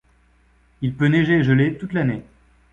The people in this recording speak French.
Il peut neiger et geler toute l'année.